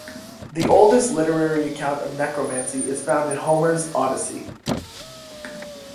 The oldest literary account of necromancy is found in Homer's "Odyssey".